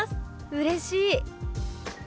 うれしい！」。